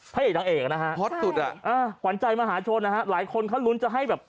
พระเอกนะฮะขวัญใจมหาชนหลายคนเขารุ้นจะให้แบบ